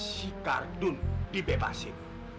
si kardun dibebasin